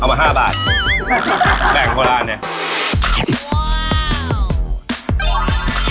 มาห้าบาทแบ่งโทรานเนี้ย